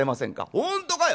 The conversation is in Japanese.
「本当かよ！